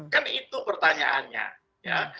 kan itu pertanyaannya ya